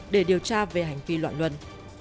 để điều tra về hành vi loạn luận